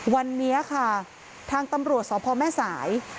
วันนี้ค่ะทางตำรวจสพแม่สาย